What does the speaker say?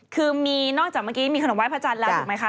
คือมีนอกจากเมื่อกี้มีขนมไห้พระจันทร์แล้วถูกไหมคะ